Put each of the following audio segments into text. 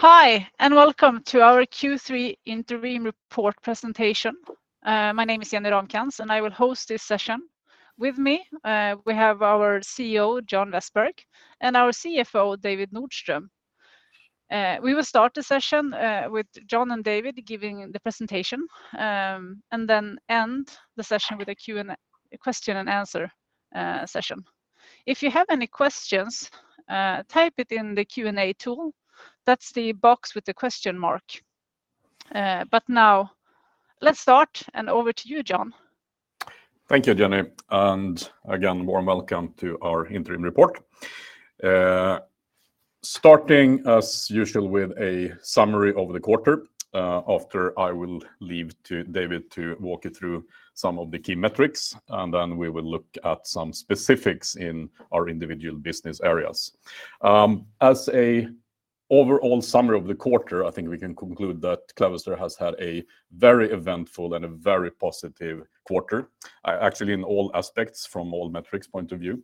Hi, and welcome to our Q3 Interim Report presentation. My name is Jenny Ramkrans, and I will host this session. With me, we have our CEO, John Vestberg, and our CFO, David Nordström. We will start the session with John and David giving the presentation, and then end the session with a Q&A question and answer session. If you have any questions, type it in the Q&A tool. That's the box with the question mark. But now, let's start, and over to you, John. Thank you, Jenny. And again, warm welcome to our Interim Report. Starting, as usual, with a summary of the quarter, after I will leave to David to walk you through some of the key metrics, and then we will look at some specifics in our individual business areas. As an overall summary of the quarter, I think we can conclude that Clavister has had a very eventful and a very positive quarter, actually in all aspects from all metrics' point of view.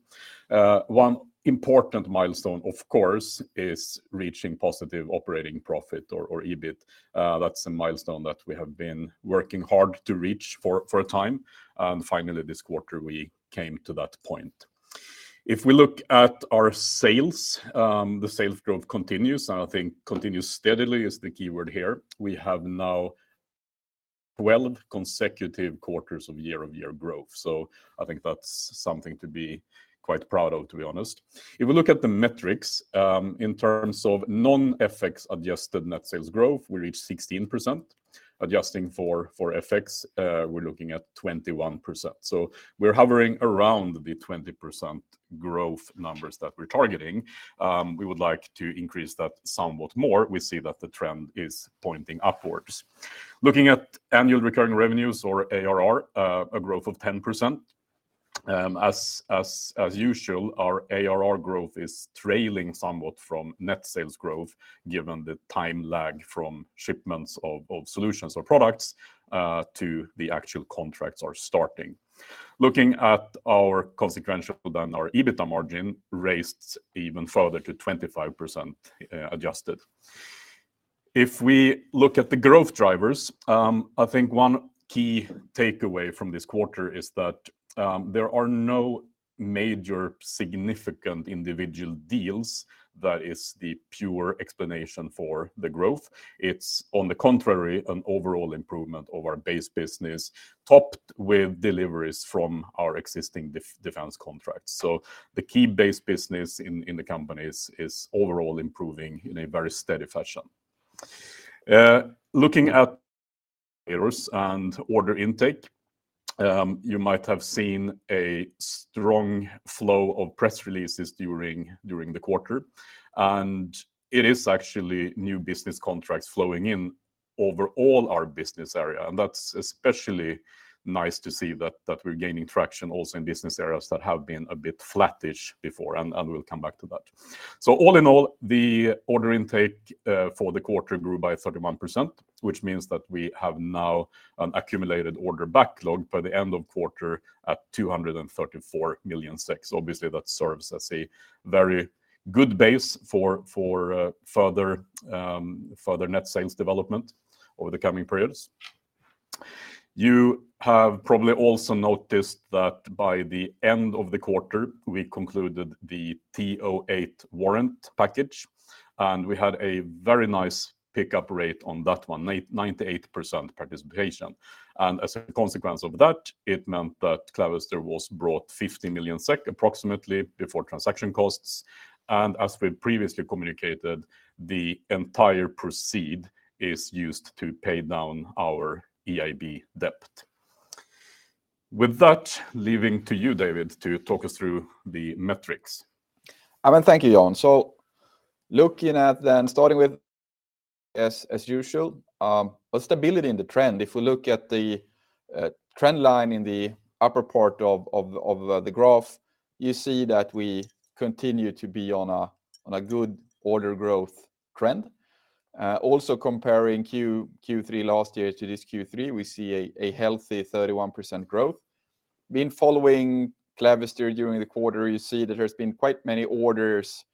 One important milestone, of course, is reaching positive operating profit, or EBIT. That's a milestone that we have been working hard to reach for a time. And finally, this quarter, we came to that point. If we look at our sales, the sales growth continues, and I think continues steadily is the key word here. We have now 12 consecutive quarters of year-over-year growth. So I think that's something to be quite proud of, to be honest. If we look at the metrics, in terms of non-FX adjusted net sales growth, we reached 16%. Adjusting for FX, we're looking at 21%. So we're hovering around the 20% growth numbers that we're targeting. We would like to increase that somewhat more. We see that the trend is pointing upwards. Looking at annual recurring revenues, or ARR, a growth of 10%. As usual, our ARR growth is trailing somewhat from net sales growth, given the time lag from shipments of solutions or products to the actual contracts starting. Looking at our cash flow, then our EBITDA margin raised even further to 25% adjusted. If we look at the growth drivers, I think one key takeaway from this quarter is that there are no major significant individual deals. That is the pure explanation for the growth. It's, on the contrary, an overall improvement of our base business, topped with deliveries from our existing defense contracts. So the key base business in the companies is overall improving in a very steady fashion. Looking at orders and order intake, you might have seen a strong flow of press releases during the quarter. And it is actually new business contracts flowing in over all our business areas. And that's especially nice to see that we're gaining traction also in business areas that have been a bit flattish before, and we'll come back to that. So all in all, the order intake for the quarter grew by 31%, which means that we have now an accumulated order backlog by the end of quarter at 234 million. Obviously, that serves as a very good base for further net sales development over the coming periods. You have probably also noticed that by the end of the quarter, we concluded the TO8 warrant package, and we had a very nice pickup rate on that one, 98% participation, and as a consequence of that, it meant that Clavister was brought 50 million SEK approximately before transaction costs, and as we previously communicated, the entire proceeds are used to pay down our EIB debt. With that, leaving to you, David, to talk us through the metrics. I mean, thank you, John, so looking at then, starting with, as usual, stability in the trend. If we look at the trend line in the upper part of the graph, you see that we continue to be on a good order growth trend. Also comparing Q3 last year to this Q3, we see a healthy 31% growth. Been following Clavister during the quarter, you see that there's been quite many orders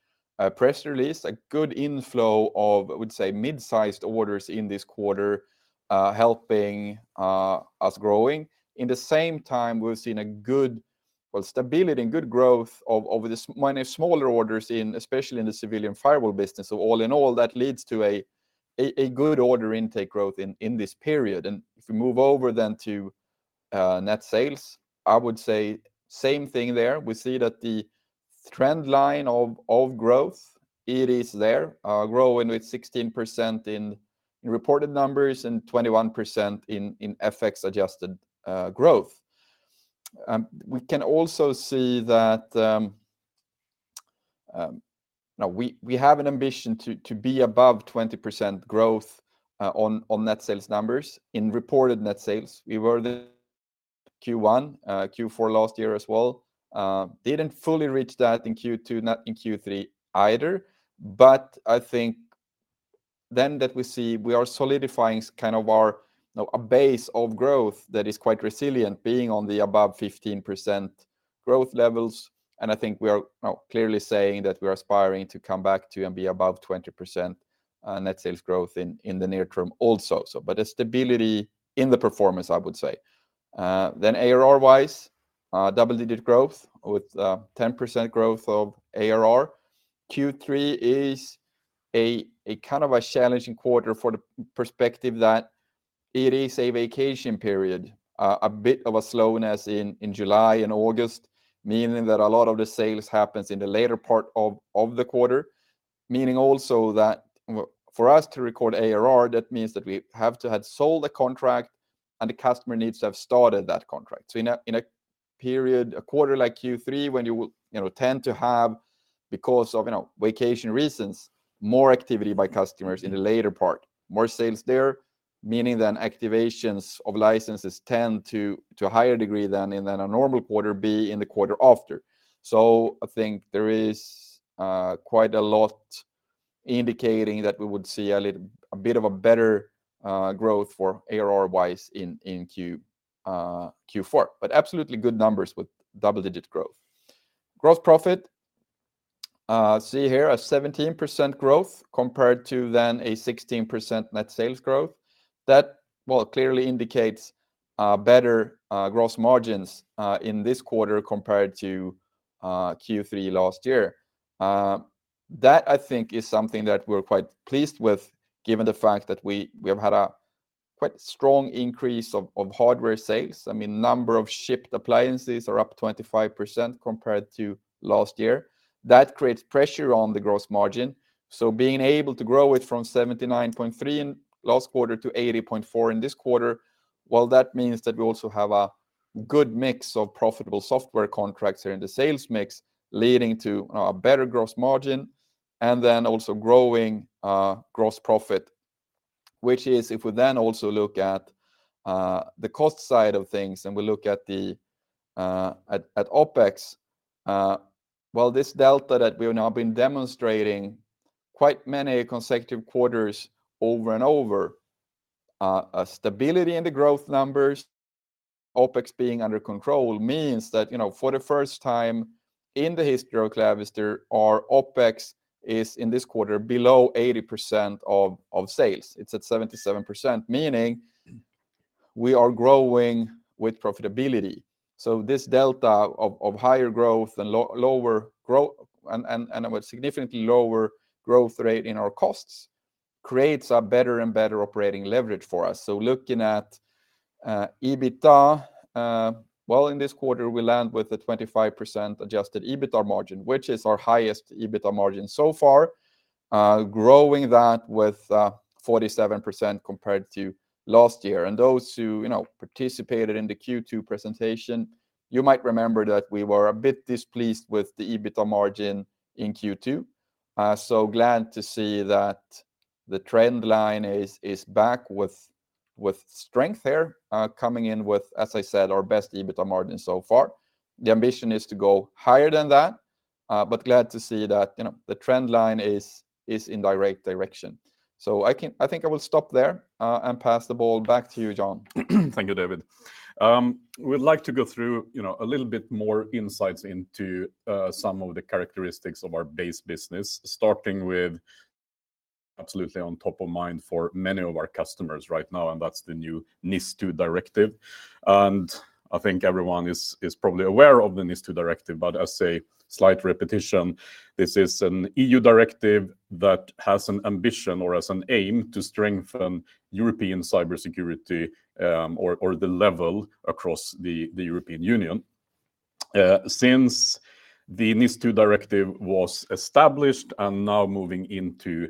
press released, a good inflow of, I would say, mid-sized orders in this quarter, helping us growing. In the same time, we've seen a good, well, stability and good growth of many smaller orders in, especially in the civilian firewall business, so all in all, that leads to a good order intake growth in this period, and if we move over then to net sales, I would say same thing there. We see that the trend line of growth, it is there, growing with 16% in reported numbers and 21% in FX adjusted growth. We can also see that now we have an ambition to be above 20% growth on net sales numbers in reported net sales. We were in Q1, Q4 last year as well. Didn't fully reach that in Q2, not in Q3 either. But I think then that we see we are solidifying kind of our base of growth that is quite resilient, being on the above 15% growth levels. I think we are clearly saying that we are aspiring to come back to and be above 20% net sales growth in the near term also. But the stability in the performance, I would say. Then ARR-wise, double-digit growth with 10% growth of ARR. Q3 is a kind of a challenging quarter for the perspective that it is a vacation period, a bit of a slowness in July and August, meaning that a lot of the sales happen in the later part of the quarter. Meaning also that for us to record ARR, that means that we have to have sold a contract, and the customer needs to have started that contract. So in a period, a quarter like Q3, when you tend to have, because of vacation reasons, more activity by customers in the later part, more sales there, meaning that activations of licenses tend, to a higher degree than in a normal quarter, to be in the quarter after. So I think there is quite a lot indicating that we would see a bit of a better growth for ARR-wise in Q4. But absolutely good numbers with double-digit growth. Gross profit, see here a 17% growth compared to the 16% net sales growth. That, well, clearly indicates better gross margins in this quarter compared to Q3 last year. That, I think, is something that we're quite pleased with, given the fact that we have had a quite strong increase of hardware sales. I mean, number of shipped appliances are up 25% compared to last year. That creates pressure on the gross margin. So being able to grow it from 79.3% in last quarter to 80.4% in this quarter, well, that means that we also have a good mix of profitable software contracts here in the sales mix, leading to a better gross margin, and then also growing gross profit, which is if we then also look at the cost side of things and we look at OPEX, well, this delta that we have now been demonstrating quite many consecutive quarters over and over, stability in the growth numbers, OPEX being under control means that for the first time in the history of Clavister, our OPEX is in this quarter below 80% of sales. It's at 77%, meaning we are growing with profitability. So this delta of higher growth and lower growth and a significantly lower growth rate in our costs creates a better and better operating leverage for us. So looking at EBITDA, well, in this quarter, we land with a 25% adjusted EBITDA margin, which is our highest EBITDA margin so far, growing that with 47% compared to last year. And those who participated in the Q2 presentation, you might remember that we were a bit displeased with the EBITDA margin in Q2. So glad to see that the trend line is back with strength here, coming in with, as I said, our best EBITDA margin so far. The ambition is to go higher than that, but glad to see that the trend line is in the right direction. So I think I will stop there and pass the ball back to you, John. Thank you, David. We'd like to go through a little bit more insights into some of the characteristics of our base business, starting with absolutely on top of mind for many of our customers right now, and that's the new NIS2 directive, and I think everyone is probably aware of the NIS2 directive, but as a slight repetition, this is an EU directive that has an ambition or has an aim to strengthen European cybersecurity or the level across the European Union. Since the NIS2 directive was established and now moving into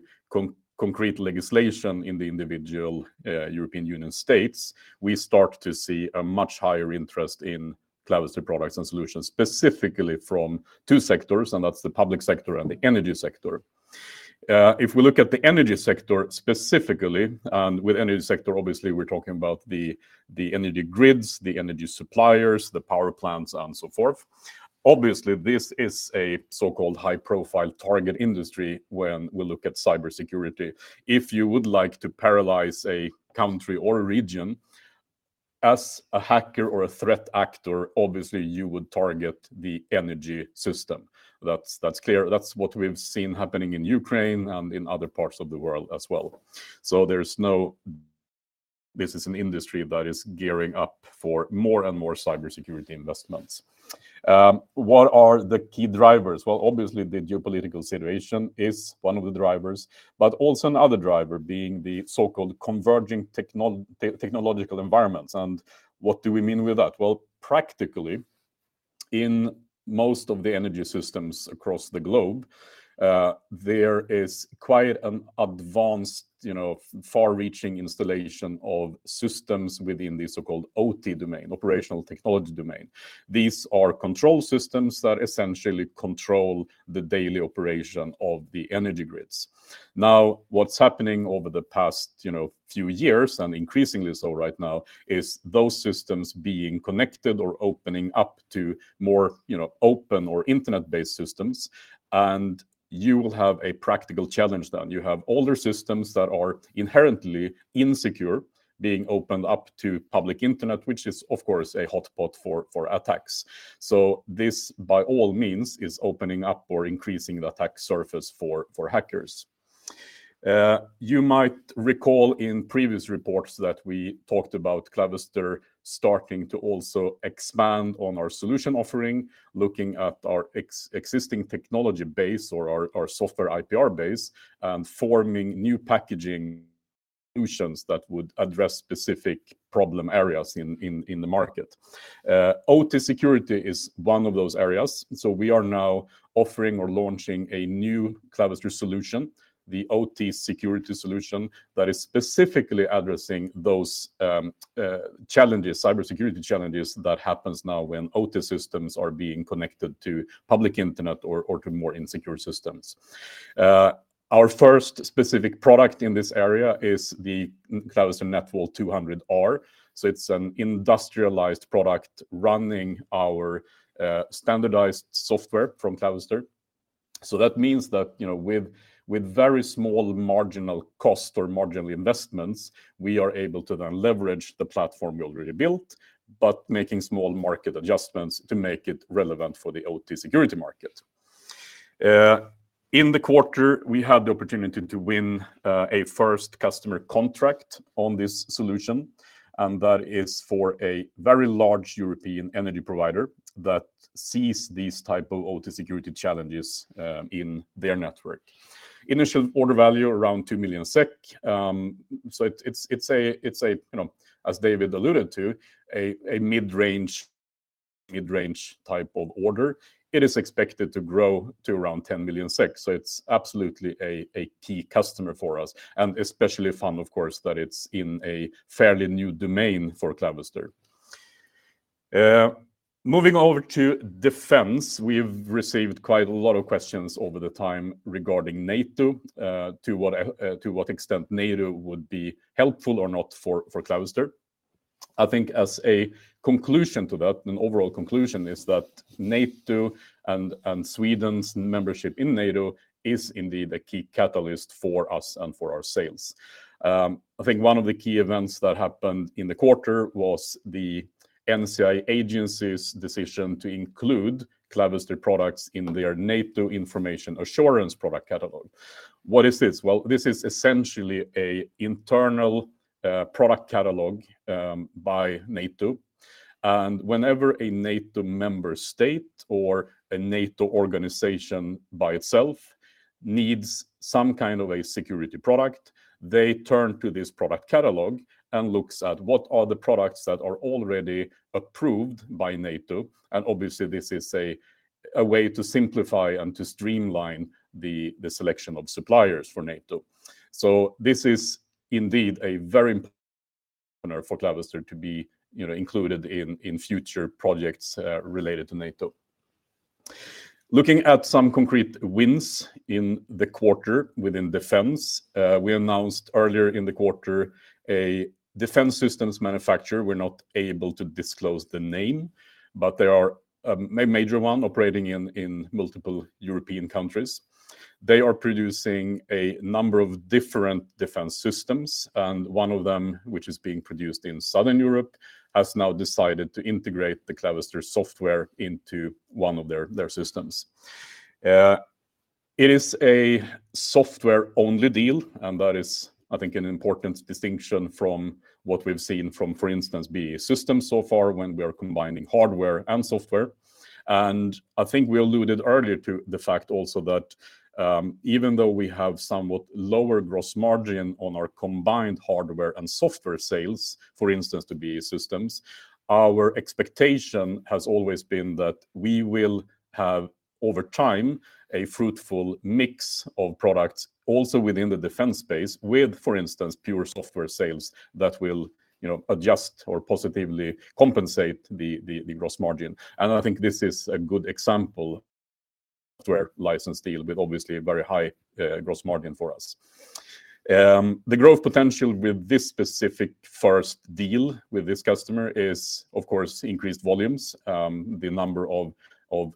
concrete legislation in the individual European Union states, we start to see a much higher interest in Clavister products and solutions, specifically from two sectors, and that's the public sector and the energy sector. If we look at the energy sector specifically, and with energy sector, obviously, we're talking about the energy grids, the energy suppliers, the power plants, and so forth. Obviously, this is a so-called high-profile target industry when we look at cybersecurity. If you would like to paralyze a country or a region as a hacker or a threat actor, obviously, you would target the energy system. That's clear. That's what we've seen happening in Ukraine and in other parts of the world as well. So there's no, this is an industry that is gearing up for more and more cybersecurity investments. What are the key drivers? Well, obviously, the geopolitical situation is one of the drivers, but also another driver being the so-called converging technological environments. And what do we mean with that? Practically, in most of the energy systems across the globe, there is quite an advanced, far-reaching installation of systems within the so-called OT domain, operational technology domain. These are control systems that essentially control the daily operation of the energy grids. Now, what's happening over the past few years, and increasingly so right now, is those systems being connected or opening up to more open or internet-based systems. You will have a practical challenge then. You have older systems that are inherently insecure being opened up to public internet, which is, of course, a hotspot for attacks. This, by all means, is opening up or increasing the attack surface for hackers. You might recall in previous reports that we talked about Clavister starting to also expand on our solution offering, looking at our existing technology base or our software IPR base and forming new packaging solutions that would address specific problem areas in the market. OT security is one of those areas. We are now offering or launching a new Clavister solution, the OT security solution that is specifically addressing those challenges, cybersecurity challenges that happen now when OT systems are being connected to public internet or to more insecure systems. Our first specific product in this area is the Clavister NetWall 200R. It's an industrialized product running our standardized software from Clavister. That means that with very small marginal cost or marginal investments, we are able to then leverage the platform we already built, but making small market adjustments to make it relevant for the OT security market. In the quarter, we had the opportunity to win a first customer contract on this solution, and that is for a very large European energy provider that sees these types of OT security challenges in their network. Initial order value-around 2 million SEK. It's a, as David alluded to, a mid-range type of order. It is expected to grow to around 10 million SEK. It's absolutely a key customer for us, and especially fun, of course, that it's in a fairly new domain for Clavister. Moving over to defense, we've received quite a lot of questions over the time regarding NATO, to what extent NATO would be helpful or not for Clavister. I think as a conclusion to that, an overall conclusion is that NATO and Sweden's membership in NATO is indeed a key catalyst for us and for our sales. I think one of the key events that happened in the quarter was the NCI Agency's decision to include Clavister products in their NATO Information Assurance Product Catalogue. What is this? Well, this is essentially an internal product catalog by NATO. And whenever a NATO member state or a NATO organization by itself needs some kind of a security product, they turn to this product catalog and look at what are the products that are already approved by NATO. Obviously, this is a way to simplify and to streamline the selection of suppliers for NATO. This is indeed a very important partner for Clavister to be included in future projects related to NATO. Looking at some concrete wins in the quarter within defense, we announced earlier in the quarter a defense systems manufacturer. We're not able to disclose the name, but they are a major one operating in multiple European countries. They are producing a number of different defense systems, and one of them, which is being produced in Southern Europe, has now decided to integrate the Clavister software into one of their systems. It is a software-only deal, and that is, I think, an important distinction from what we've seen from, for instance, BAE Systems so far when we are combining hardware and software. I think we alluded earlier to the fact also that even though we have somewhat lower gross margin on our combined hardware and software sales, for instance, to BAE Systems, our expectation has always been that we will have, over time, a fruitful mix of products also within the defense space with, for instance, pure software sales that will adjust or positively compensate the gross margin. I think this is a good example of a software license deal with obviously a very high gross margin for us. The growth potential with this specific first deal with this customer is, of course, increased volumes. The number of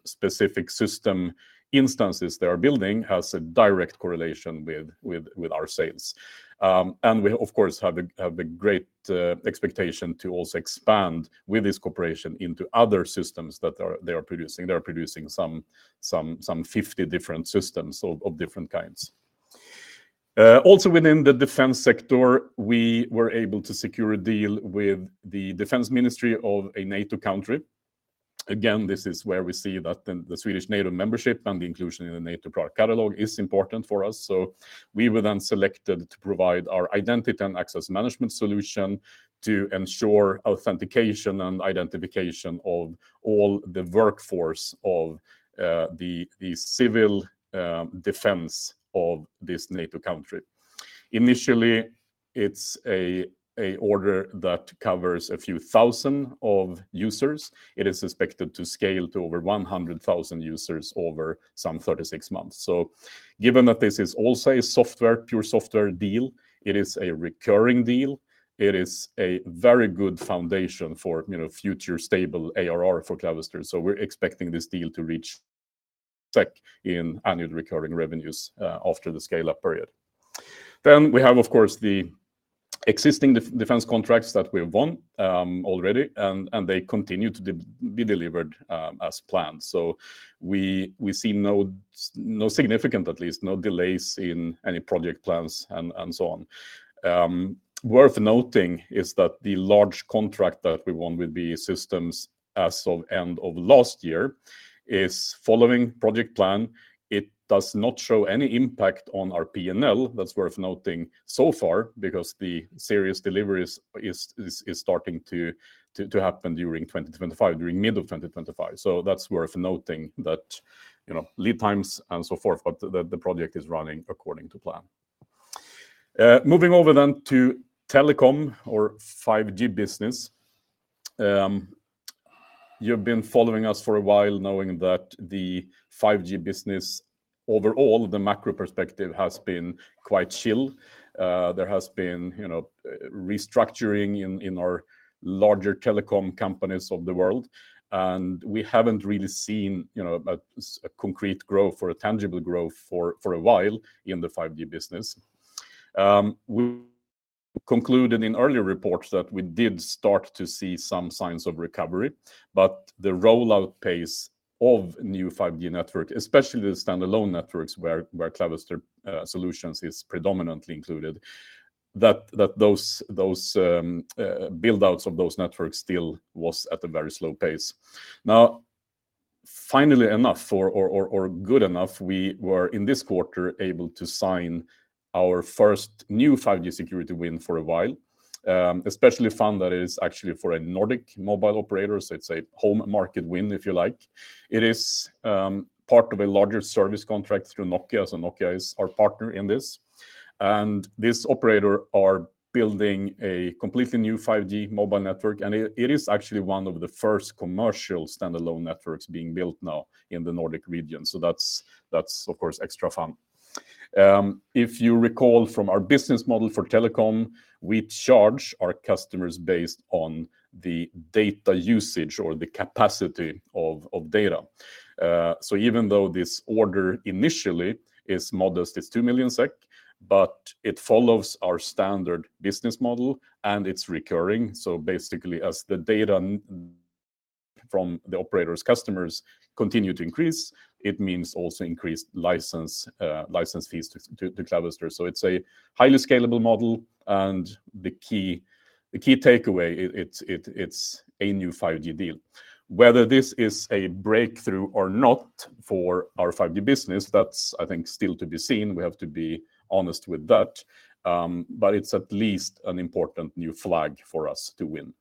specific system instances they are building has a direct correlation with our sales. We, of course, have the great expectation to also expand with this cooperation into other systems that they are producing. They are producing some 50 different systems of different kinds. Also, within the defense sector, we were able to secure a deal with the Defense Ministry of a NATO country. Again, this is where we see that the Swedish NATO membership and the inclusion in the NATO product catalog is important for us. So we were then selected to provide our identity and access management solution to ensure authentication and identification of all the workforce of the civil defense of this NATO country. Initially, it's an order that covers a few thousand users. It is expected to scale to over 100,000 users over some 36 months. So given that this is also a software, pure software deal, it is a recurring deal. It is a very good foundation for future stable ARR for Clavister. So we're expecting this deal to reach SEK in annual recurring revenues after the scale-up period. Then we have, of course, the existing defense contracts that we have won already, and they continue to be delivered as planned. So we see no significant, at least no delays in any project plans and so on. Worth noting is that the large contract that we won with BAE Systems as of end of last year is following project plan. It does not show any impact on our P&L. That's worth noting so far because the serious delivery is starting to happen during 2025, during mid of 2025. So that's worth noting that lead times and so forth, but the project is running according to plan. Moving over then to telecom or 5G business. You've been following us for a while, knowing that the 5G business overall, the macro perspective has been quite chilly. There has been restructuring in our larger telecom companies of the world, and we haven't really seen a concrete growth or a tangible growth for a while in the 5G business. We concluded in earlier reports that we did start to see some signs of recovery, but the rollout pace of new 5G networks, especially the standalone networks where Clavister solutions is predominantly included, that those buildouts of those networks still was at a very slow pace. Now, finally enough or good enough, we were in this quarter able to sign our first new 5G security win for a while, especially fun that is actually for a Nordic mobile operator. So it's a home market win, if you like. It is part of a larger service contract through Nokia. So Nokia is our partner in this. This operator is building a completely new 5G mobile network, and it is actually one of the first commercial standalone networks being built now in the Nordic region. So that's, of course, extra fun. If you recall from our business model for telecom, we charge our customers based on the data usage or the capacity of data. So even though this order initially is modest, it's 2 million SEK, but it follows our standard business model and it's recurring. So basically, as the data from the operator's customers continue to increase, it means also increased license fees to Clavister. So it's a highly scalable model, and the key takeaway, it's a new 5G deal. Whether this is a breakthrough or not for our 5G business, that's, I think, still to be seen. We have to be honest with that, but it's at least an important new flag for us to win.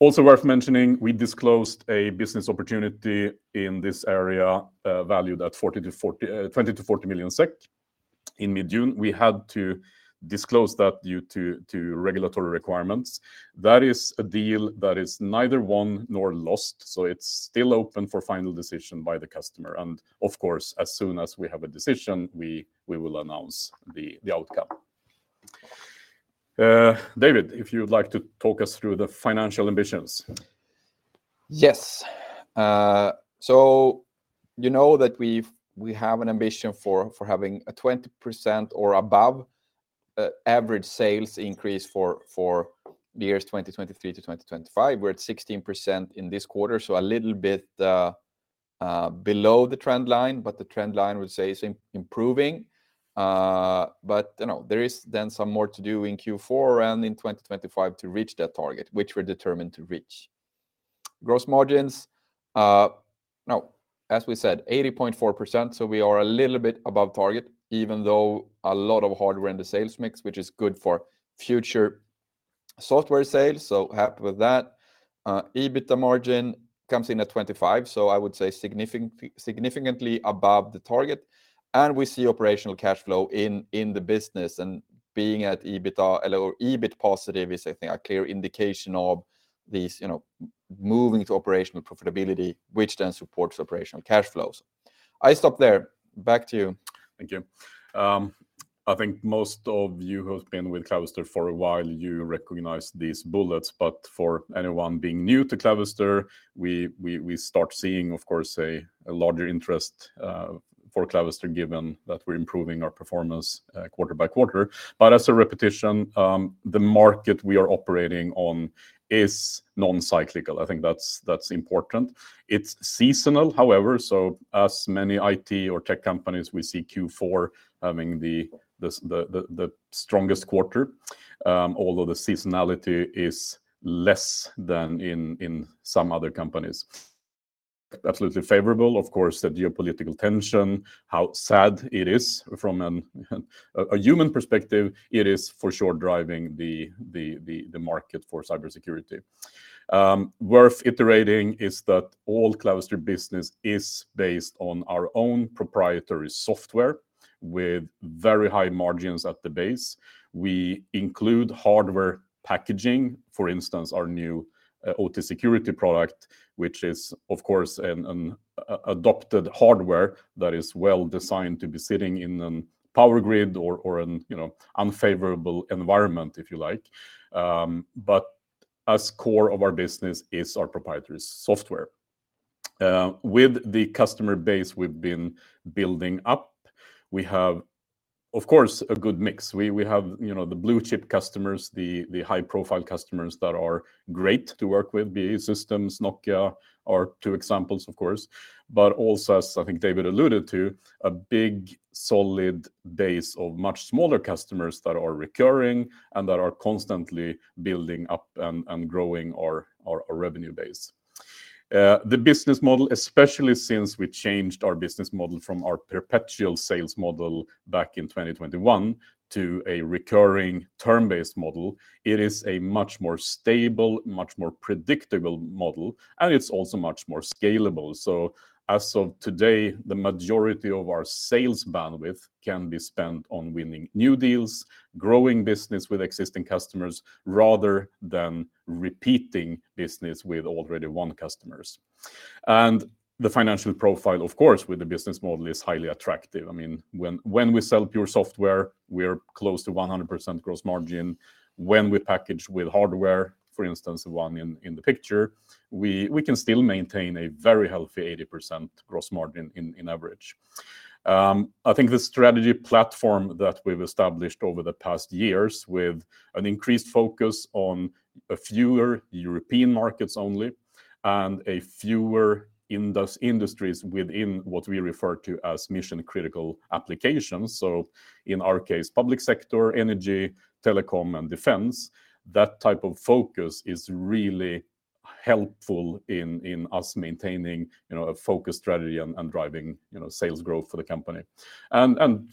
Also worth mentioning, we disclosed a business opportunity in this area valued at 20 million-40 million SEK in mid-June. We had to disclose that due to regulatory requirements. That is a deal that is neither won nor lost. So it's still open for final decision by the customer. And of course, as soon as we have a decision, we will announce the outcome. David, if you'd like to talk us through the financial ambitions. Yes. So you know that we have an ambition for having a 20% or above average sales increase for the years 2023, to 2025. We're at 16% in this quarter, so a little bit below the trend line, but the trend line would say is improving. But there is then some more to do in Q4 and in 2025, to reach that target, which we're determined to reach. Gross margins, as we said, 80.4%. So we are a little bit above target, even though a lot of hardware in the sales mix, which is good for future software sales. So happy with that. EBITDA margin comes in at 25%, so I would say significantly above the target. And we see operational cash flow in the business. And being at EBITDA or EBIT positive is, I think, a clear indication of these moving to operational profitability, which then supports operational cash flows. I'll stop there. Back to you. Thank you. I think most of you who have been with Clavister for a while, you recognize these bullets. But for anyone being new to Clavister, we start seeing, of course, a larger interest for Clavister given that we're improving our performance quarter by quarter. But as a repetition, the market we are operating on is non-cyclical. I think that's important. It's seasonal, however. So as many IT or tech companies, we see Q4 having the strongest quarter, although the seasonality is less than in some other companies. Absolutely favorable, of course, the geopolitical tension, how sad it is from a human perspective, it is for sure driving the market for cybersecurity. Worth iterating is that all Clavister business is based on our own proprietary software with very high margins at the base. We include hardware packaging, for instance, our new OT security product, which is, of course, an adapted hardware that is well designed to be sitting in a power grid or an unfavorable environment, if you like. But the core of our business is our proprietary software. With the customer base we've been building up, we have, of course, a good mix. We have the blue chip customers, the high-profile customers that are great to work with. BAE Systems, Nokia are two examples, of course. But also, as I think David alluded to, a big solid base of much smaller customers that are recurring and that are constantly building up and growing our revenue base. The business model, especially since we changed our business model from our perpetual sales model back in 2021 to a recurring term-based model, it is a much more stable, much more predictable model, and it's also much more scalable. So as of today, the majority of our sales bandwidth can be spent on winning new deals, growing business with existing customers rather than repeating business with already won customers. And the financial profile, of course, with the business model is highly attractive. I mean, when we sell pure software, we're close to 100% gross margin. When we package with hardware, for instance, the one in the picture, we can still maintain a very healthy 80% gross margin in average. I think the strategy platform that we've established over the past years with an increased focus on fewer European markets only and fewer industries within what we refer to as mission-critical applications. So in our case, public sector, energy, telecom, and defense, that type of focus is really helpful in us maintaining a focus strategy and driving sales growth for the company. And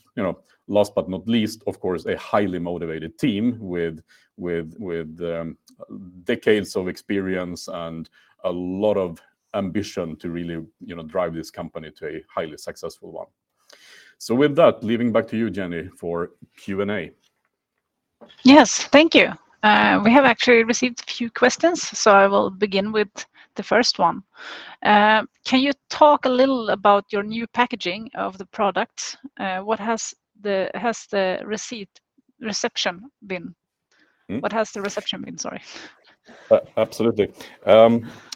last but not least, of course, a highly motivated team with decades of experience and a lot of ambition to really drive this company to a highly-successful one. So with that, handing back to you, Jenny, for Q&A. Yes, thank you. We have actually received a few questions, so I will begin with the first one. Can you talk a little about your new packaging of the product? What has the reception been, sorry? Absolutely.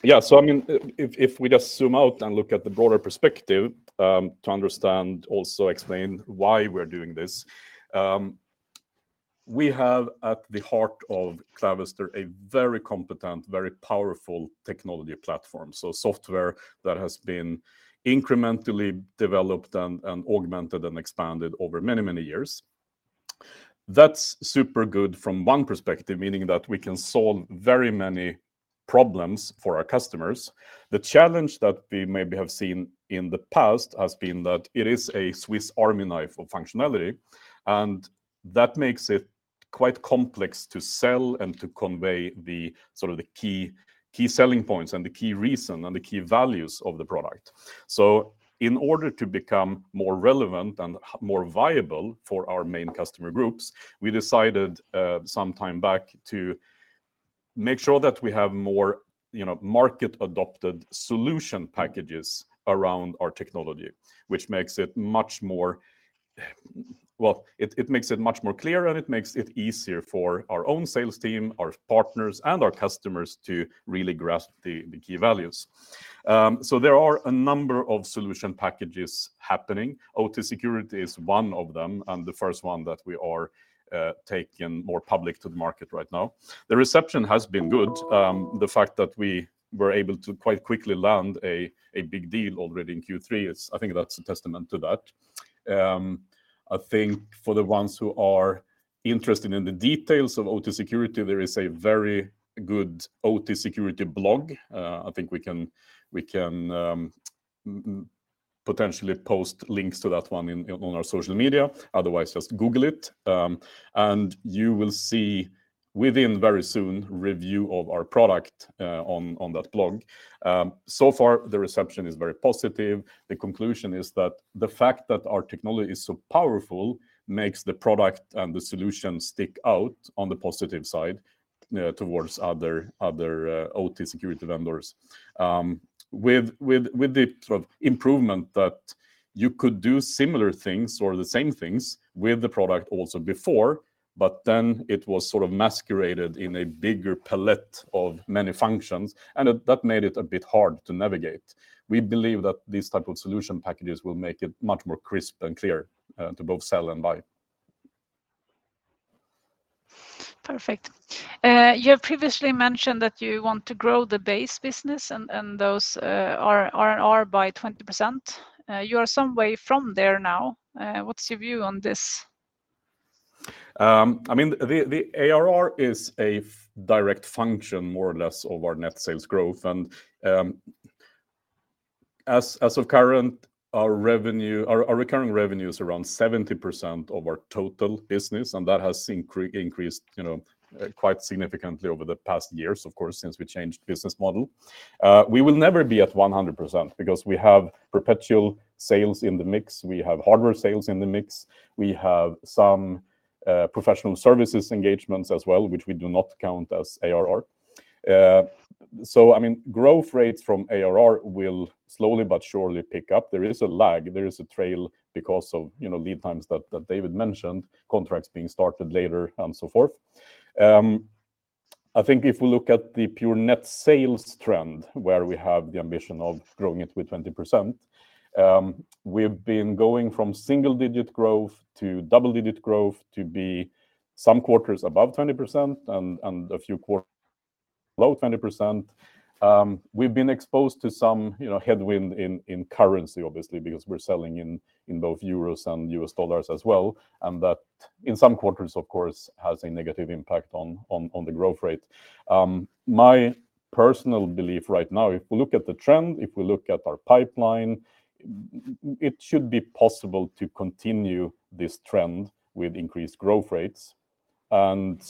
Yeah. So I mean, if we just zoom out and look at the broader perspective to understand, also explain why we're doing this, we have at the heart of Clavister a very competent, very powerful technology platform. So software that has been incrementally developed and augmented and expanded over many, many years. That's super good from one perspective, meaning that we can solve very many problems for our customers. The challenge that we maybe have seen in the past has been that it is a Swiss army knife of functionality, and that makes it quite complex to sell and to convey the key selling points and the key reason and the key values of the product. So in order to become more relevant and more viable for our main customer groups, we decided some time back to make sure that we have more market-adopted solution packages around our technology, which makes it much more, well, it makes it much more clear, and it makes it easier for our own sales team, our partners, and our customers to really grasp the key values. So there are a number of solution packages happening. OT security is one of them, and the first one that we are taking more public to the market right now. The reception has been good. The fact that we were able to quite quickly land a big deal already in Q3, I think that's a testament to that. I think for the ones who are interested in the details of OT security, there is a very good OT security blog. I think we can potentially post links to that one on our social media. Otherwise, just Google it, and you will see within very soon a review of our product on that blog. So far, the reception is very positive. The conclusion is that the fact that our technology is so powerful makes the product and the solution stick out on the positive side towards other OT security vendors. With the improvement that you could do similar things or the same things with the product also before, but then it was sort of masqueraded in a bigger palette of many functions, and that made it a bit hard to navigate. We believe that these types of solution packages will make it much more crisp and clear to both sell and buy. Perfect. You have previously mentioned that you want to grow the base business and those ARR by 20%. You are some way from there now. What's your view on this? I mean, the ARR is a direct function, more or less, of our net sales growth. And as of current, our recurring revenue is around 70% of our total business, and that has increased quite significantly over the past years, of course, since we changed business model. We will never be at 100% because we have perpetual sales in the mix. We have hardware sales in the mix. We have some professional services engagements as well, which we do not count as ARR. So I mean, growth rates from ARR will slowly but surely pick up. There is a lag. There is a trail because of lead times that David mentioned, contracts being started later, and so forth. I think if we look at the pure net sales trend, where we have the ambition of growing it with 20%, we've been going from single-digit growth to double-digit growth to be some quarters above 20% and a few quarters below 20%. We've been exposed to some headwind in currency, obviously, because we're selling in both euros and US dollars as well, and that in some quarters, of course, has a negative impact on the growth rate. My personal belief right now, if we look at the trend, if we look at our pipeline, it should be possible to continue this trend with increased growth rates, and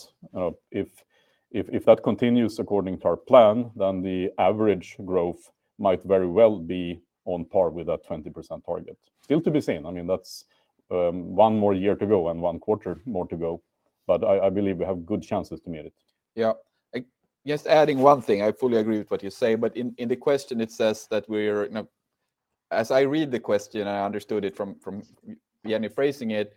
if that continues according to our plan, then the average growth might very well be on par with that 20% target. Still to be seen. I mean, that's one more year to go and one quarter more to go, but I believe we have good chances to meet it. Yeah. Just adding one thing. I fully agree with what you say, but in the question, it says that we're, as I read the question, I understood it from Jenny phrasing it,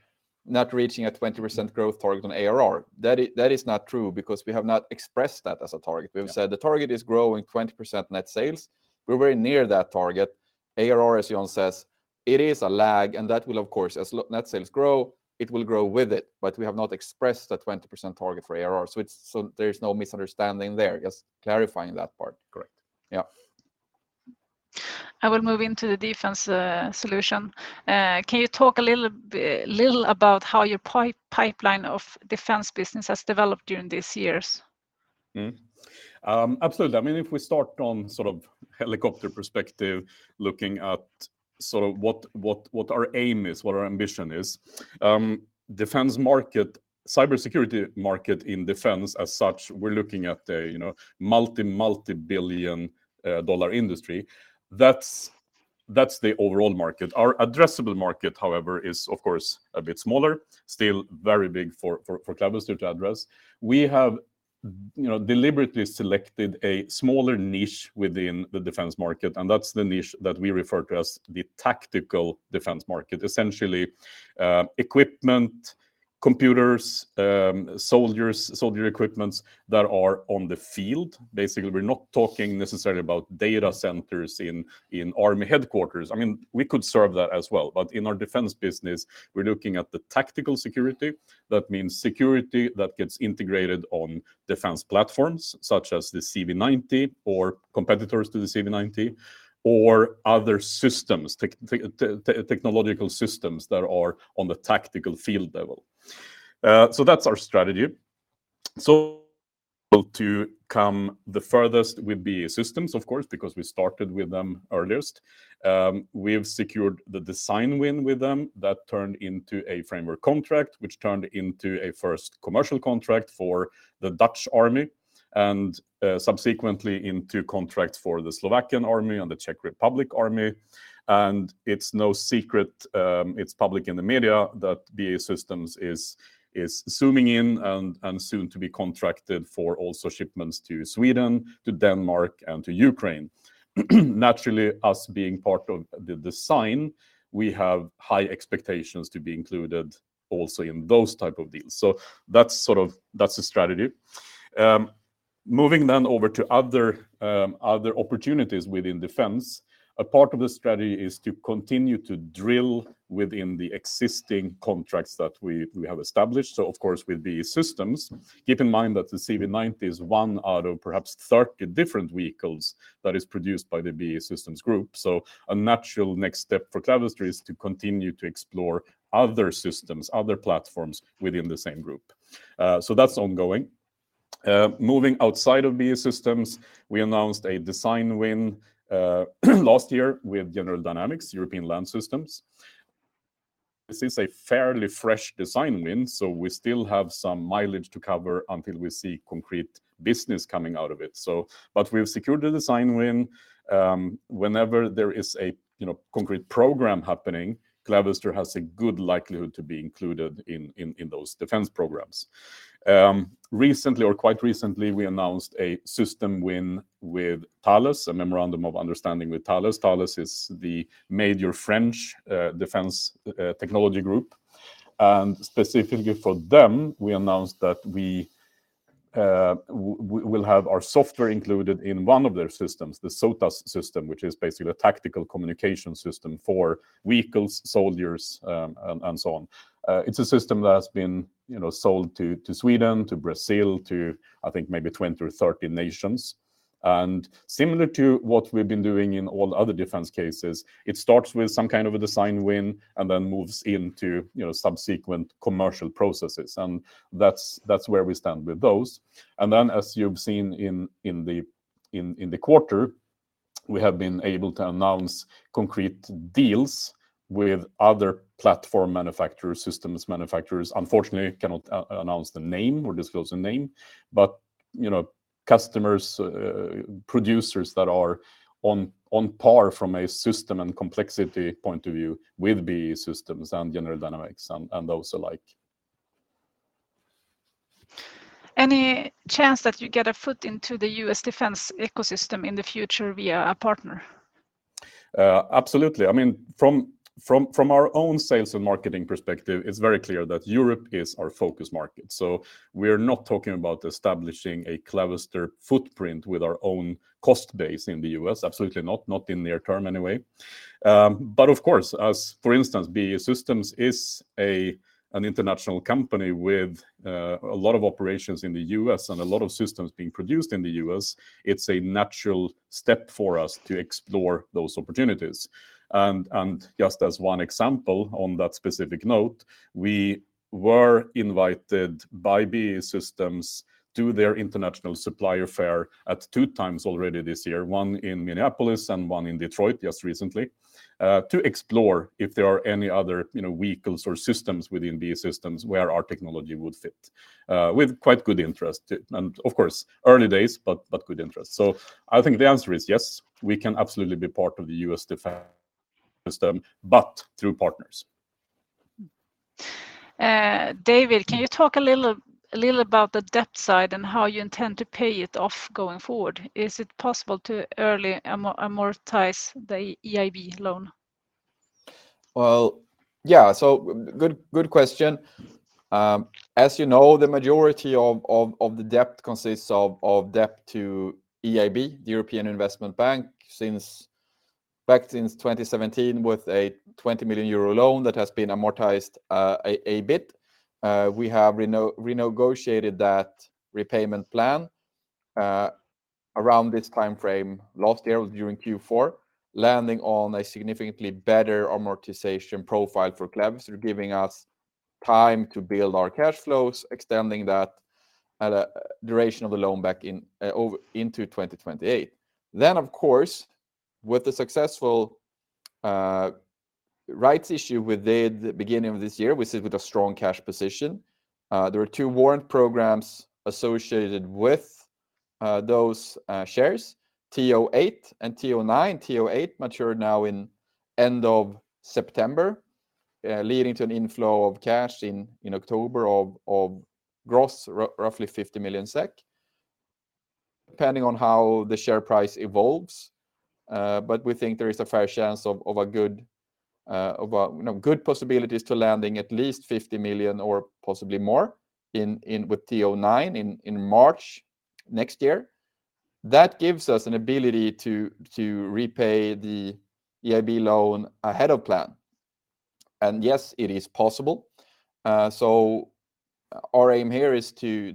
not reaching a 20% growth target on ARR. That is not true because we have not expressed that as a target. We have said the target is growing 20% net sales. We're very near that target. ARR, as John says, it is a lag. And that will, of course, as net sales grow, it will grow with it. But we have not expressed a 20% target for ARR. So there's no misunderstanding there. Just clarifying that part. Correct. Yeah. I will move into the defense solution. Can you talk a little about how your pipeline of defense business has developed during these years? Absolutely. I mean, if we start on sort of helicopter perspective, looking at sort of what our aim is, what our ambition is, defense market, cybersecurity market in defense as such, we're looking at a multi-multi-billion dollar industry. That's the overall market. Our addressable market, however, is, of course, a bit smaller, still very big for Clavister to address. We have deliberately selected a smaller niche within the defense market. And that's the niche that we refer to as the tactical defense market, essentially equipment, computers, soldiers, soldier equipments that are on the field. Basically, we're not talking necessarily about data centers in army headquarters. I mean, we could serve that as well. But in our defense business, we're looking at the tactical security. That means security that gets integrated on defense platforms such as the CV90 or competitors to the CV90 or other systems, technological systems that are on the tactical field level. So that's our strategy. So to come the furthest with BAE Systems, of course, because we started with them earliest. We've secured the design win with them that turned into a framework contract, which turned into a first commercial contract for the Dutch army and subsequently into contract for the Slovakian army and the Czech Republic army. It's no secret, it's public in the media that BAE Systems is zooming in and soon to be contracted for also shipments to Sweden, to Denmark, and to Ukraine. Naturally, us being part of the design, we have high expectations to be included also in those types of deals. That's the strategy. Moving then over to other opportunities within defense, a part of the strategy is to continue to drill within the existing contracts that we have established. Of course, with BAE Systems, keep in mind that the CV90 is one out of perhaps 30 different vehicles that is produced by the BAE Systems group. A natural next step for Clavister is to continue to explore other systems, other platforms within the same group. That's ongoing. Moving outside of BAE Systems, we announced a design win last year with General Dynamics European Land Systems. This is a fairly fresh design win, so we still have some mileage to cover until we see concrete business coming out of it, but we've secured a design win. Whenever there is a concrete program happening, Clavister has a good likelihood to be included in those defense programs. Recently, or quite recently, we announced a system win with Thales, a memorandum of understanding with Thales. Thales is the major French defense technology group, and specifically for them, we announced that we will have our software included in one of their systems, the SOTAS system, which is basically a tactical communication system for vehicles, soldiers, and so on. It's a system that has been sold to Sweden, to Brazil, to I think maybe 20 or 30 nations. And similar to what we've been doing in all other defense cases, it starts with some kind of a design win and then moves into subsequent commercial processes. And that's where we stand with those. And then, as you've seen in the quarter, we have been able to announce concrete deals with other platform manufacturers, systems manufacturers. Unfortunately, I cannot announce the name or disclose the name. But customers, producers that are on par from a system and complexity point of view with BAE Systems and General Dynamics and those alike. Any chance that you get a foot into the U.S. defense ecosystem in the future via a partner? Absolutely. I mean, from our own sales and marketing perspective, it's very clear that Europe is our focus market. So we're not talking about establishing a Clavister footprint with our own cost base in the U.S. Absolutely not, not in near term anyway, but of course, as for instance, BAE Systems is an international company with a lot of operations in the U.S. and a lot of systems being produced in the U.S., it's a natural step for us to explore those opportunities, and just as one example on that specific note, we were invited by BAE Systems to their international supplier fair, at two times already this year, one in Minneapolis and one in Detroit just recently, to explore if there are any other vehicles or systems within BAE Systems where our technology would fit, with quite good interest. And of course, early days, but good interest, so I think the answer is yes, we can absolutely be part of the U.S. defense system, but through partners. David, can you talk a little about the debt side and how you intend to pay it off going forward? Is it possible to early amortize the EIB loan? Well, yeah, so good question. As you know, the majority of the debt consists of debt to EIB, the European Investment Bank, back since 2017 with a 20 million euro loan that has been amortized a bit. We have renegotiated that repayment plan around this timeframe last year during Q4, landing on a significantly better amortization profile for Clavister, giving us time to build our cash flows, extending that duration of the loan back into 2028. Then, of course, with the successful rights issue we did at the beginning of this year, we sit with a strong cash position. There are two warrant programs associated with those shares, TO8 and TO9. TO8 matured now in end of September, leading to an inflow of cash in October of gross, roughly 50 million SEK, depending on how the share price evolves. But we think there is a fair chance of good possibilities to landing at least 50 million or possibly more with TO9 in March next year. That gives us an ability to repay the EIB loan ahead of plan. And yes, it is possible. So our aim here is to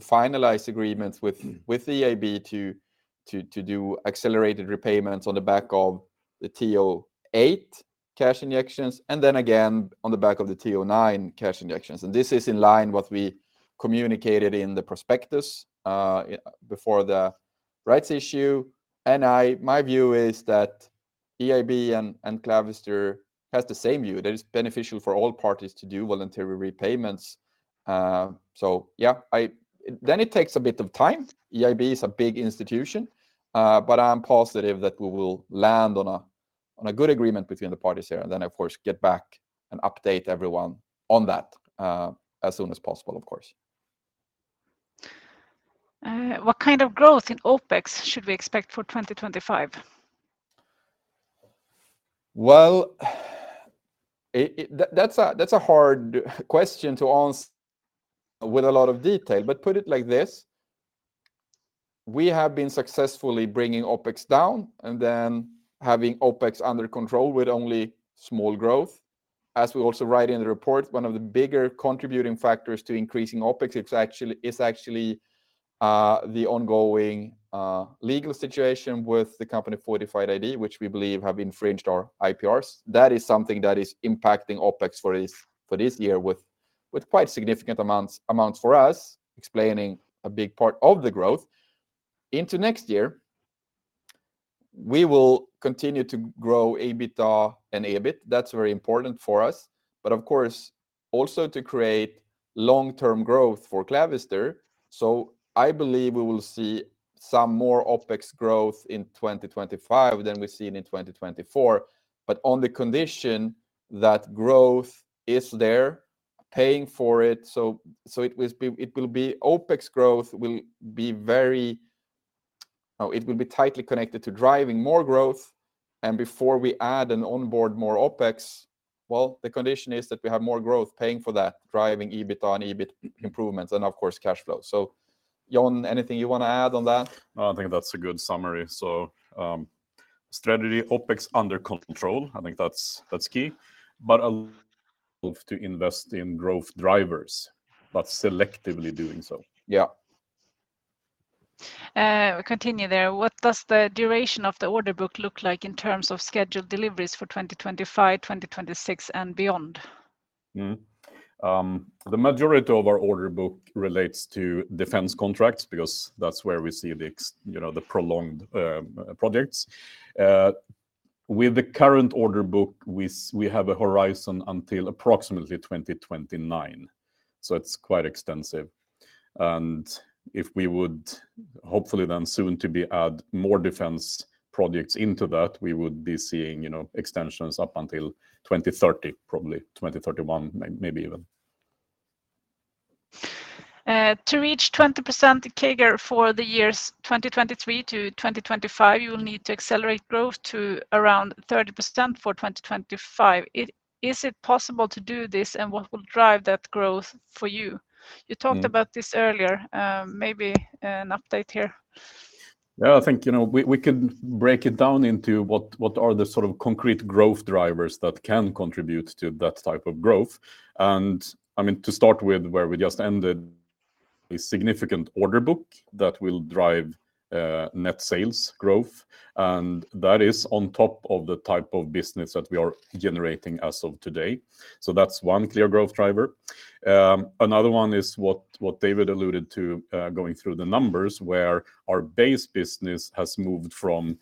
finalize agreements with the EIB to do accelerated repayments on the back of the TO8 cash injections and then again on the back of the TO9 cash injections. And this is in line with what we communicated in the prospectus before the rights issue. And my view is that EIB and Clavister has the same view. That it's beneficial for all parties to do voluntary repayments. So yeah, then it takes a bit of time. EIB is a big institution. But I'm positive that we will land on a good agreement between the parties here and then, of course, get back and update everyone on that as soon as possible, of course. What kind of growth in OPEX should we expect for 2025? Well, that's a hard question to answer with a lot of detail. But put it like this. We have been successfully bringing OPEX down and then having OPEX under control with only small growth. As we also write in the report, one of the bigger contributing factors to increasing OPEX is actually the ongoing legal situation with the company Fortified ID, which we believe have infringed our IPRs. That is something that is impacting OPEX for this year with quite significant amounts for us, explaining a big part of the growth. Into next year, we will continue to grow EBITDA and EBIT. That's very important for us. But of course, also to create long-term growth for Clavister. So I believe we will see some more OpEx growth in 2025, than we've seen in 2024. But on the condition that growth is there, paying for it. So it will be OpEx growth. It will be tightly connected to driving more growth. And before we add and onboard more OpEx, well, the condition is that we have more growth paying for that, driving EBITDA and EBIT improvements and, of course, cash flow. So John, anything you want to add on that? I think that's a good summary. So strategy, OpEx under control. I think that's key. But a lot of investing growth drivers, but selectively doing so. Yeah. Continue there. What does the duration of the order book look like in terms of scheduled deliveries for 2025, 2026, and beyond? The majority of our order book relates to defense contracts because that's where we see the prolonged projects. With the current order book, we have a horizon until approximately 2029. So it's quite extensive. And if we would hopefully then soon to be adding more defense projects into that, we would be seeing extensions up until 2030, probably 2031, maybe even. To reach 20% CAGR for the years 2023 to 2025, you will need to accelerate growth to around 30% for 2025. Is it possible to do this and what will drive that growth for you? You talked about this earlier. Maybe an update here. Yeah, I think we could break it down into what are the sort of concrete growth drivers that can contribute to that type of growth. I mean, to start with where we just ended, a significant order book that will drive net sales growth. That is on top of the type of business that we are generating as of today. That's one clear growth driver. Another one is what David alluded to going through the numbers, where our base business has moved from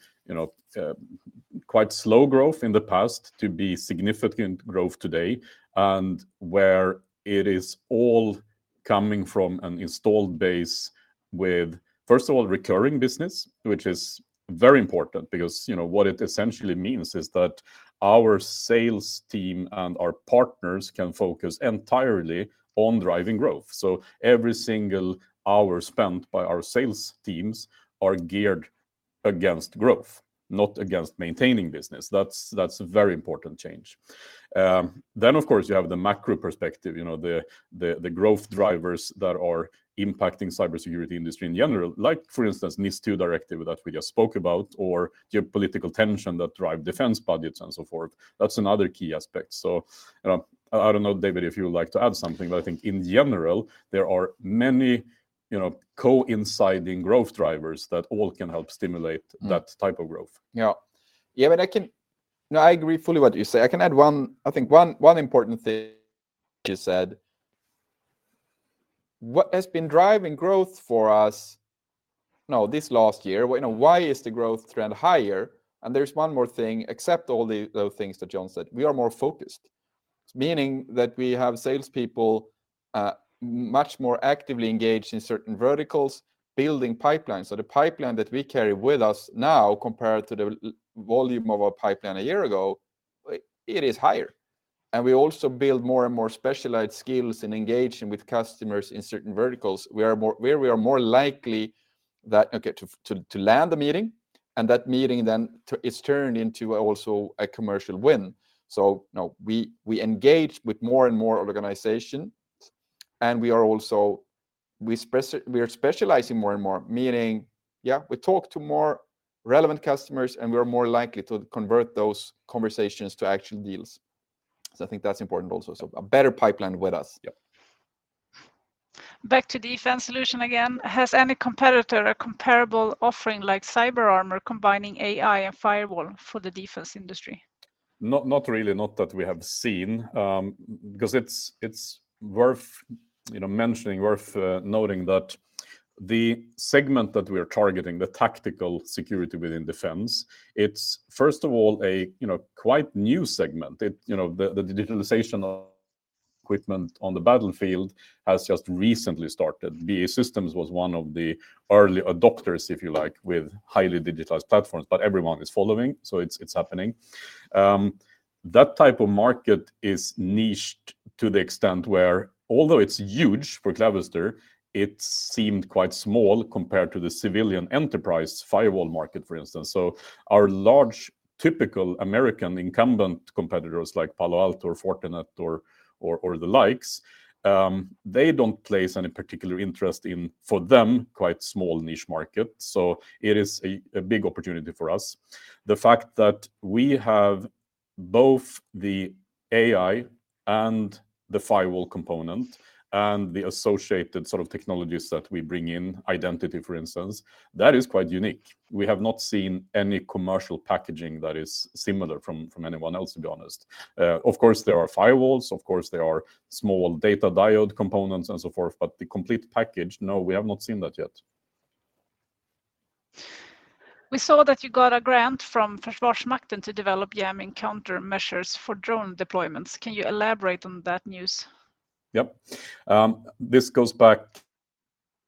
quite slow growth in the past to be significant growth today, and where it is all coming from an installed base with, first of all, recurring business, which is very important because what it essentially means is that our sales team and our partners can focus entirely on driving growth. Every single hour spent by our sales teams is geared against growth, not against maintaining business. That's a very important change. Then, of course, you have the macro perspective, the growth drivers that are impacting the cybersecurity industry in general, like for instance, NIS2 directive that we just spoke about, or geopolitical tension that drives defense budgets and so forth. That's another key aspect. So I don't know, David, if you would like to add something, but I think in general, there are many coinciding growth drivers that all can help stimulate that type of growth. Yeah. Yeah, I mean, I agree fully with what you say. I can add one, I think one important thing you said. What has been driving growth for us this last year, why is the growth trend higher? And there's one more thing, except all the things that John said, we are more focused, meaning that we have salespeople much more actively engaged in certain verticals, building pipelines. So the pipeline that we carry with us now, compared to the volume of our pipeline a year ago, it is higher. And we also build more and more specialized skills in engaging with customers in certain verticals, where we are more likely to land a meeting, and that meeting then is turned into also a commercial win. So we engage with more and more organizations, and we are also specializing more and more, meaning, yeah, we talk to more relevant customers, and we are more likely to convert those conversations to actual deals. So I think that's important also. So a better pipeline with us. Back to defense solution again. Has any competitor or comparable offering like CyberArmour combining AI and firewall for the defense industry? Not really, not that we have seen. Because it's worth mentioning, worth noting that the segment that we are targeting, the tactical security within defense, it's first of all a quite new segment. The digitalization of equipment on the battlefield has just recently started. BAE Systems was one of the early adopters, if you like, with highly digitized platforms, but everyone is following. So it's happening. That type of market is niched to the extent where, although it's huge for Clavister, it seemed quite small compared to the civilian enterprise firewall market, for instance. So our large typical American incumbent competitors like Palo Alto or Fortinet or the likes, they don't place any particular interest in, for them, quite small niche markets. So it is a big opportunity for us. The fact that we have both the AI and the firewall component and the associated sort of technologies that we bring in, identity, for instance, that is quite unique. We have not seen any commercial packaging that is similar from anyone else, to be honest. Of course, there are firewalls. Of course, there are small data diode components and so forth. But the complete package, no, we have not seen that yet. We saw that you got a grant from Försvarsmakten to develop jamming countermeasures for drone deployments. Can you elaborate on that news? Yep. This goes back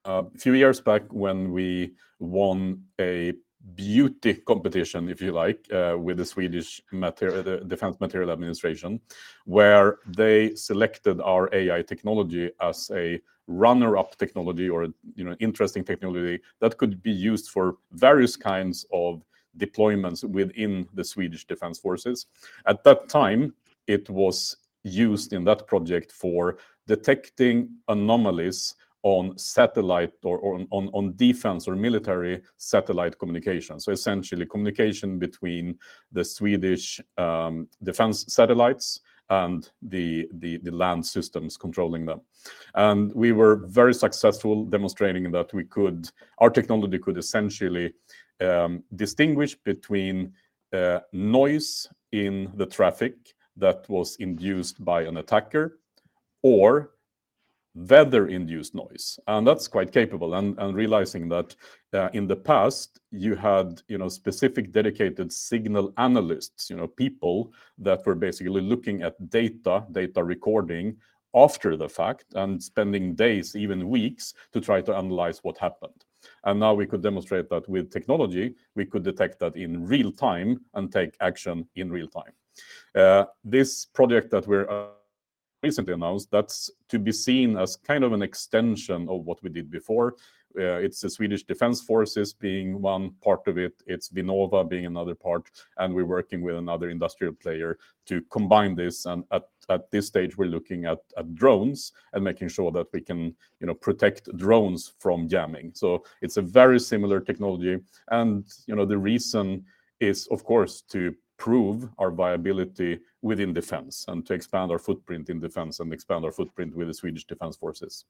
a few years back when we won a beauty competition, if you like, with the Swedish Defence Materiel Administration, where they selected our AI technology as a runner-up technology or an interesting technology that could be used for various kinds of deployments within the Swedish Defense Forces. At that time, it was used in that project for detecting anomalies on satellite or on defense or military satellite communication, so essentially, communication between the Swedish defense satellites and the land systems controlling them, and we were very successful demonstrating that our technology could essentially distinguish between noise in the traffic that was induced by an attacker or weather-induced noise, and that's quite capable, realizing that in the past, you had specific dedicated signal analysts, people that were basically looking at data, data recording after the fact and spending days, even weeks, to try to analyze what happened, and now we could demonstrate that with technology, we could detect that in real time and take action in real time. This project that we recently announced, that's to be seen as kind of an extension of what we did before. It's the Swedish Armed Forces being one part of it. It's Vinnova being another part. And we're working with another industrial player to combine this. And at this stage, we're looking at drones and making sure that we can protect drones from jamming. So it's a very similar technology. And the reason is, of course, to prove our viability within defense and to expand our footprint in defense and expand our footprint with the Swedish Armed Forces.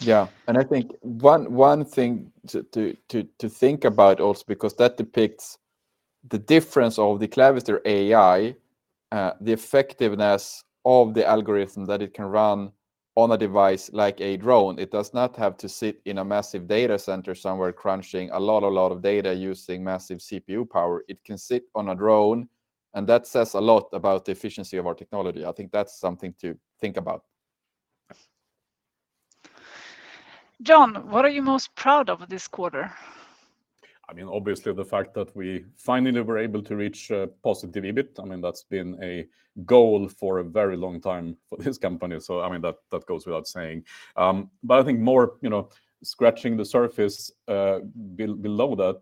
Yeah. And I think one thing to think about also, because that depicts the difference of the Clavister AI, the effectiveness of the algorithm that it can run on a device like a drone. It does not have to sit in a massive data center somewhere crunching a lot, a lot of data using massive CPU power. It can sit on a drone. And that says a lot about the efficiency of our technology. I think that's something to think about. John, what are you most proud of this quarter? I mean, obviously, the fact that we finally were able to reach a positive EBIT. I mean, that's been a goal for a very long time for this company. So I mean, that goes without saying. But I think more scratching the surface below that,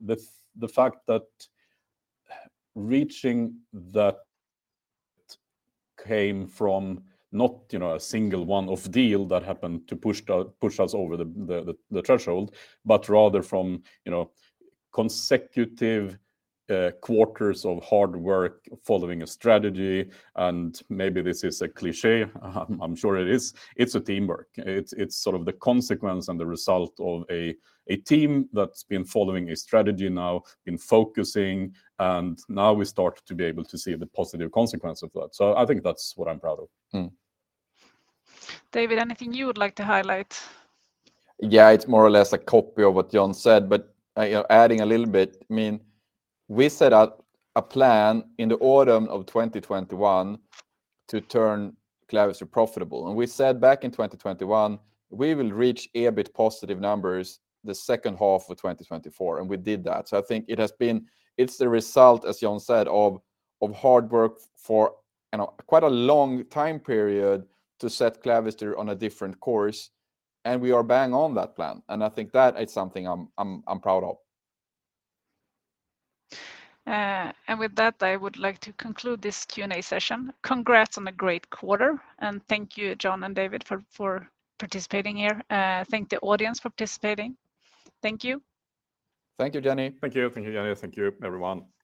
the fact that reaching that came from not a single one-off deal that happened to push us over the threshold, but rather from consecutive quarters of hard work following a strategy. And maybe this is a cliché. I'm sure it is. It's a teamwork. It's sort of the consequence and the result of a team that's been following a strategy now, been focusing. And now we start to be able to see the positive consequence of that. So I think that's what I'm proud of. David, anything you would like to highlight? Yeah, it's more or less a copy of what John said, but adding a little bit. I mean, we set up a plan in the autumn of 2021, to turn Clavister profitable. And we said back in 2021, we will reach EBIT positive numbers the second half of 2024. And we did that. So I think it has been, it's the result, as John said, of hard work for quite a long time period to set Clavister on a different course. And we are bang on that plan. And I think that is something I'm proud of. And with that I would like to conclude this Q&A session. Congrats on a great quarter. And thank you, John and David, for participating here. Thank the audience for participating. Thank you. Thank you, Jenny. Thank you. Thank you, Jenny. Thank you, everyone.